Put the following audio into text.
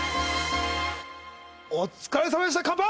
お疲れさまでした乾杯！